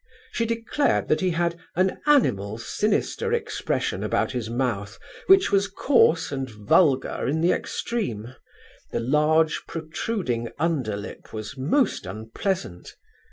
She declared that he had "an animal, sinister expression about his mouth which was coarse and vulgar in the extreme: the large protruding under lip was most unpleasant.